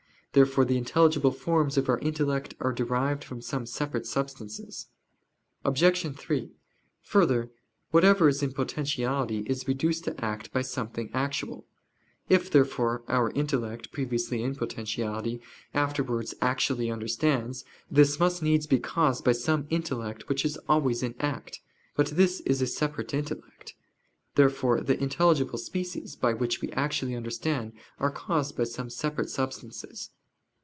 Therefore the intelligible forms of our intellect are derived from some separate substances. Obj. 3: Further, whatever is in potentiality is reduced to act by something actual. If, therefore, our intellect, previously in potentiality, afterwards actually understands, this must needs be caused by some intellect which is always in act. But this is a separate intellect. Therefore the intelligible species, by which we actually understand, are caused by some separate substances.